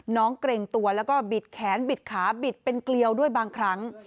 เกรงตัวแล้วก็บิดแขนบิดขาบิดเป็นเกลียวด้วยบางครั้ง